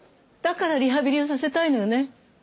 だからリハビリをさせたいのよね？